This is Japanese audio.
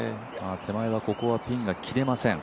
手前は、ここはピンが切れません。